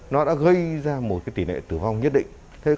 nó đã gây ra một tỷ lệ tử vong nhất định